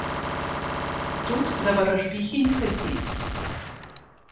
Тут да варажбіхі не хадзі.